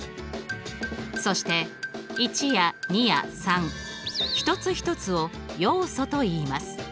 そして１や２や３一つ一つを要素といいます。